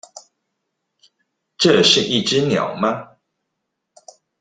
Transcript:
這是一隻鳥嗎？